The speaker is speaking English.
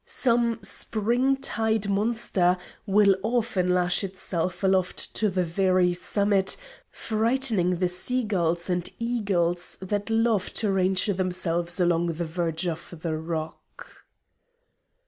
Some spring tide monster will often lash itself aloft to the very summit, frightening the seagulls and eagles that love to range themselves along the verge of the rock.